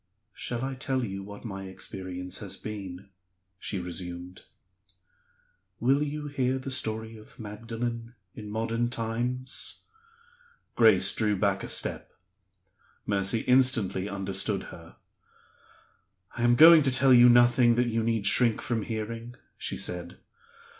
"Shall I tell you what my experience has been?" she resumed. "Will you hear the story of Magdalen in modern times?" Grace drew back a step; Mercy instantly understood her. "I am going to tell you nothing that you need shrink from hearing," she said.